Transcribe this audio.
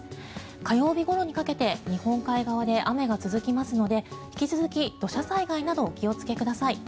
火曜日ごろにかけて日本海側で雨が続きますので引き続き土砂災害などお気をつけください。